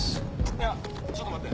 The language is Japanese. いやちょっと待って。